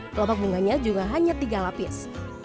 kelopak bunganya juga hanya tiga lapis